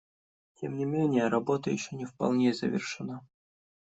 Тем не менее, работа еще не вполне завершена.